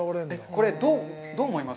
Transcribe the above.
これ、どう思います？